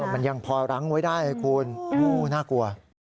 มันยังพอรั้งไว้ได้ไงคุณน่ากลัว